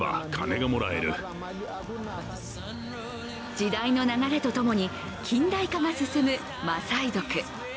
時代の流れとともに近代化が進むマサイ族。